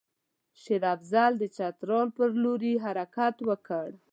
شېر افضل د چترال پر لوري حرکت وکړ.